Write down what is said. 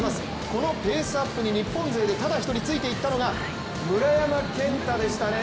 このペースアップに日本勢でただ一人、ついていったのが村山謙太でしたね。